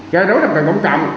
gai rối tập cận công trọng